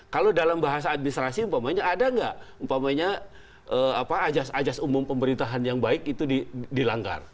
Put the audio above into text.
kalau dalam bahasa administrasi umpamanya ada nggak ajas ajas umum pemerintahan yang baik itu dilanggar